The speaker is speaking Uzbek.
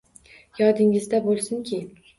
Yodingizda bo’lsinki